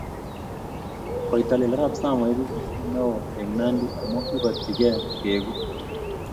Koitalel Arap Samoe ko ki chi neo nea eng Nandi amu kiparchi ke keeku